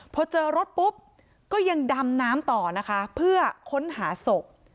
พอเจอรถปุ๊บก็ยังดำน้ำต่อนะคะเพื่อค้นหาศพ